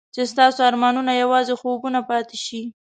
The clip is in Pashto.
چې ستاسو ارمانونه یوازې خوبونه پاتې شي.